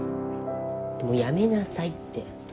もうやめなさいって。